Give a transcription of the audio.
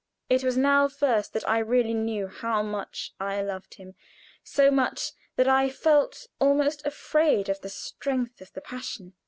It was now first that I really knew how much I loved him so much that I felt almost afraid of the strength of the passion.